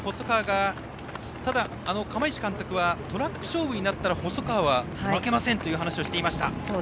釜石監督はトラック勝負になったら細川は負けませんという話をしていました。